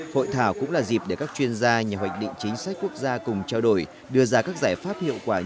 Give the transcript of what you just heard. hội thảo cũng là dịp để các chuyên gia nhà hoạch định chính sách quốc gia cùng trao đổi đưa ra các giải pháp hiệu quả